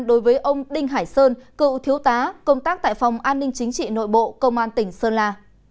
đối với ông đinh hải sơn cựu thiếu tá công tác tại phòng an ninh chính trị nội bộ công an tỉnh sơn la